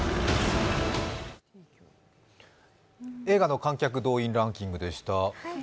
映画の観客動員ランキングでした。